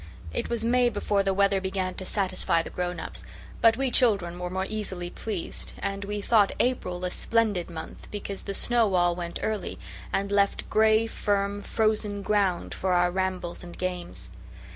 It was May before the weather began to satisfy the grown ups. But we children were more easily pleased, and we thought April a splendid month because the snow all went early and left gray, firm, frozen ground for our rambles and games.